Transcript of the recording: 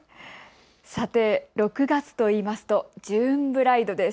さて６月といいますとジューンブライドです。